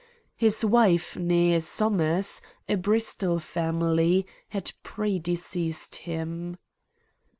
His wife, née Somers, a Bristol family, had pre deceased him.